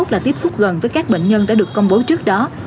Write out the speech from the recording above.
năm mươi một là tiếp xúc gần với các bệnh nhân đã được công bố trước đó